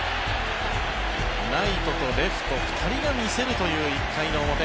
ライトとレフト２人が見せるという１回の表。